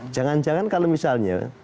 jangan jangan kalau misalnya